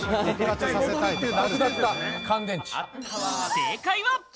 正解は。